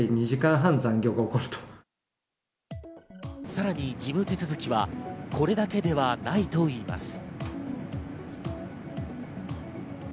さらに事務手続きはこれだけではないといいます。